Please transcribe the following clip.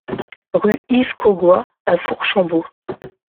Rue Yves Cogoi à Fourchambault